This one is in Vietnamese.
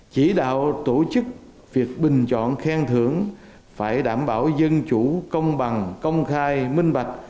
chỉ đạo tổ chức việc bình chọn khen thưởng phải đảm bảo dân chủ công bằng công khai minh bạch